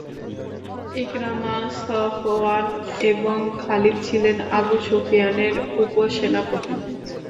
Ikrima, Safwan এবং Khalid ছিলেন Abu সুফিয়ানের উপসেনাপতি।